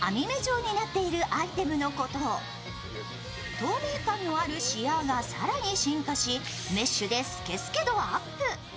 透明感のあるシアーが更に進化しメッシュでスケスケ度アップ。